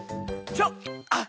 ちょっ！